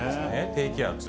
低気圧。